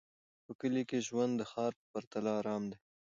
په کلي کې ژوند د ښار په پرتله ارام دی.